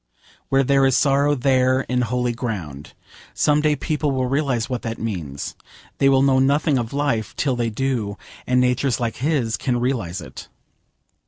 Where there is sorrow there is holy ground. Some day people will realise what that means. They will know nothing of life till they do, and natures like his can realise it.